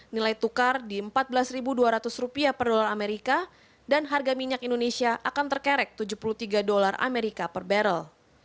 nilai tukar di rp empat belas dua ratus per dolar amerika dan harga minyak indonesia akan terkerek tujuh puluh tiga dolar amerika per barrel